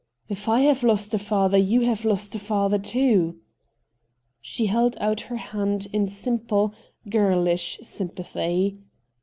If I have lost a father you have lost a father too.' She held out her hand in simple, girlish sympathy.